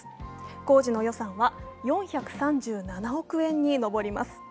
工事の予算は４３７億円に上ります。